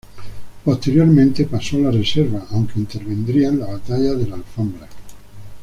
Posteriormente pasó a la reserva, aunque intervendría en la batalla del Alfambra.